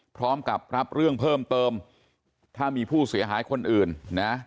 พร้อมกับรับเรื่องเพิ่มเติมถ้ามีผู้เสียหายคนอื่นนะ